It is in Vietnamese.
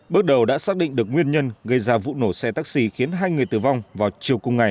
bước đầu đã xác định được nguyên nhân gây ra vụ nổ xe taxi khiến hai người tử vong vào chiều cùng ngày